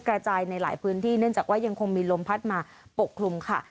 กระจายในหลายพื้นที่เนื่องจากว่ายังคงมีลมพัดมาปกคลุมค่ะ